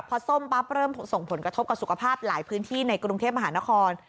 พอส้มปั๊บเริ่มส่งผลกระทบกับสุขภาพหลายพื้นที่ในกรุงเทพมหานคร